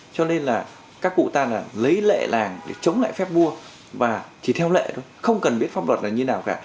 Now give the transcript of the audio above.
cho nên là các cụ ta là lấy lệ làng để chống lại phép mua và chỉ theo lệ thôi không cần biết pháp luật là như nào cả